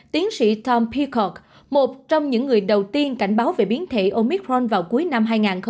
tiến sĩ tom pekok một trong những người đầu tiên cảnh báo về biến thể omicron vào cuối năm hai nghìn hai mươi